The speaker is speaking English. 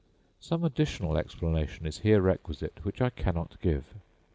Some additional explanation is here requisite which I cannot give.